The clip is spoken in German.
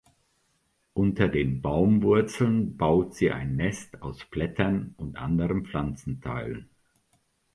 Unter den Baumwurzeln baut sie ein Nest aus Blättern und anderen Pflanzenteilen.